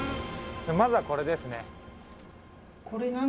まずはこれですね。